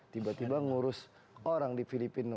tiba tiba ngurus orang di filipina